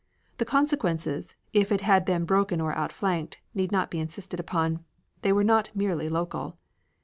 The consequences, if it had been broken or outflanked, need not be insisted upon. They were not merely local.